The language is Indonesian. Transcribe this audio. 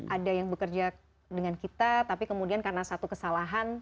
ada yang bekerja dengan kita tapi kemudian karena satu kesalahan